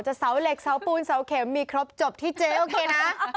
เสาเหล็กเสาปูนเสาเข็มมีครบจบที่เจ๊โอเคนะ